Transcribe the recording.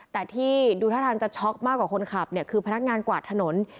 แต่ที่ดูท่าทางจะช็อกมากกว่าคนขับเนี่ยคือพนักงานกวาดถนน